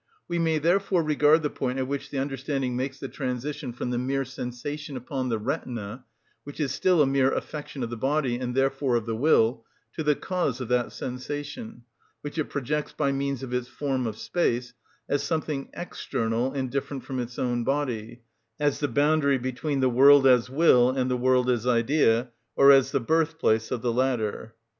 We may therefore regard the point at which the understanding makes the transition from the mere sensation upon the retina, which is still a mere affection of the body and therefore of the will, to the cause of that sensation, which it projects by means of its form of space, as something external and different from its own body, as the boundary between the world as will and the world as idea, or as the birthplace of the latter.